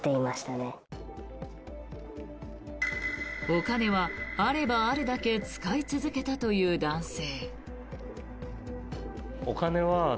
お金は、あればあるだけ使い続けたという男性。